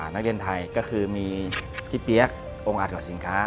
นักเรียนไทยก็คือมีพี่เปี๊ยกองค์อาทรสินค้า